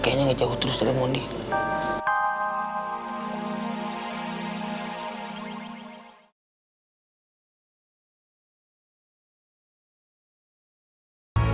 kayaknya dari tadi biasa aja